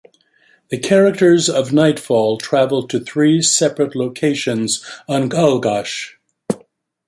The characters of "Nightfall" travel to three separate locations on Kalgash.